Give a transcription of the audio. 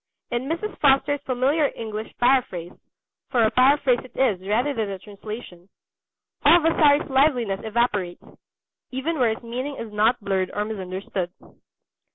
In Mrs. Foster's familiar English paraphrase for a paraphrase it is rather than a translation all Vasari's liveliness evaporates, even where his meaning is not blurred or misunderstood.